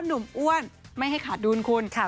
เอาหนุ่มอ้วนไม่ให้ขาดูนคุณ